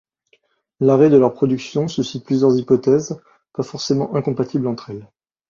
L'arrêt de leur production suscite plusieurs hypothèses, pas forcément incompatibles entre elles.